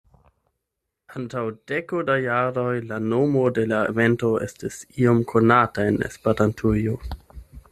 Antaŭ deko da jaroj, la nomo de la evento estis iom konata en Esperantujo.